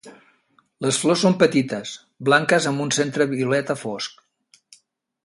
Les flors són petites, blanques amb un centre violeta fosc.